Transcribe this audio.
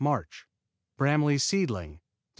Mch. Bramley's Seedling Dec.